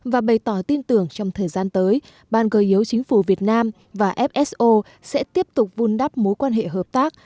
và bày tỏ tin tưởng trong thời gian tới ban cơ yếu chính phủ việt nam và fso sẽ tiếp tục vun đắp mối quan hệ hợp tác